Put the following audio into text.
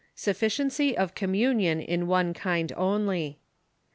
Sufficiency of communion in one kind only.